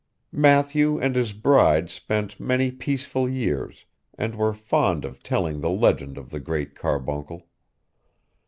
Matthew and his bride spent many peaceful years, and were fond of telling the legend of the Great Carbuncle.